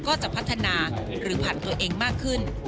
ก็จะพัฒนาหรือผันตัวเองมากขึ้น